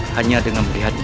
hanya dengan prihatnya